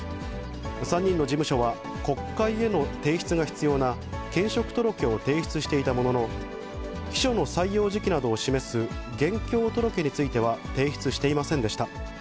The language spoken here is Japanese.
３人の事務所は、国会への提出が必要な兼職届を提出していたものの、秘書の採用時期などを示す現況届については提出していませんでした。